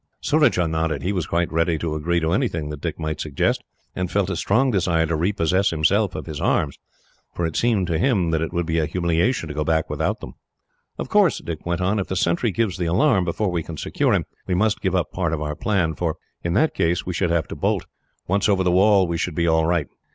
Surajah nodded. He was quite ready to agree to anything that Dick might suggest, and felt a strong desire to repossess himself of his arms, for it seemed to him that it would be a humiliation to go back without them. "Of course," Dick went on, "if the sentry gives the alarm, before we can secure him, we must give up part of our plan; for, in that case, we should have to bolt. Once over the wall, we should be all right.